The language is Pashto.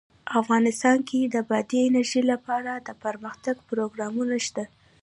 افغانستان کې د بادي انرژي لپاره دپرمختیا پروګرامونه شته.